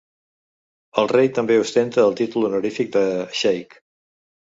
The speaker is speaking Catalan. El rei també ostenta el títol honorífic de xeic.